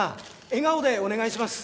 笑顔でお願いします。